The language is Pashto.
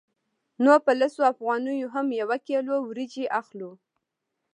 نو په لسو افغانیو هم یوه کیلو وریجې اخلو